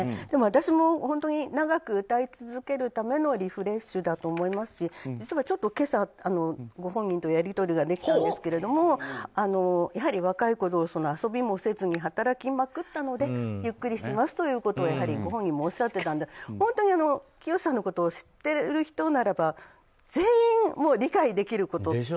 でも私も長く歌い続けるためのリフレッシュだと思いますし実はちょっと今朝、ご本人とやり取りができたんですけどやはり若いころ遊びもせずに働きまくったのでゆっくりしますということをご本人もおっしゃっていたのできよしさんを知ってる人なら全員、理解できること。